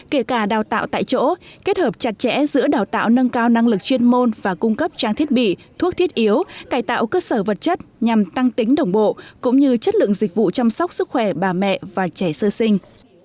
kể cả đào tạo tại chỗ kết hợp chặt chẽ giữa đào tạo nâng cao năng lực chuyên môn và cung cấp trang thiết bị thuốc thiết yếu cải tạo cơ sở vật chất nhằm tăng tính đồng bộ cũng như chất lượng dịch vụ chăm sóc sức khỏe bà mẹ và trẻ sơ sinh